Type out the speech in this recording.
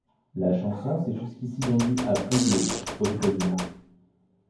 La chanson s'est jusqu'ici vendue à plus de aux États-Unis.